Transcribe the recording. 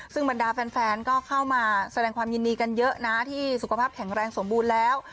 ซึ่งบรรดาแฟนก็เข้ามาแสดงความยินดีกันเยอะนะที่สุขภาพแข็งแรงสมบูรณ์แล้ว